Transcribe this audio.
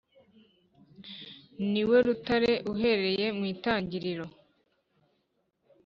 Niwe rutare uhereye mu itangiriro.